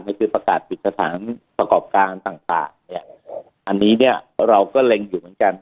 ก็คือประกาศปิดสถานประกอบการต่างเนี่ยอันนี้เนี่ยเราก็เล็งอยู่เหมือนกัน